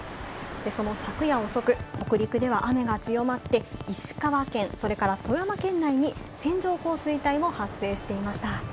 その昨夜遅く、北陸では雨が強まって、石川県、それから富山県内に線状降水帯も発生していました。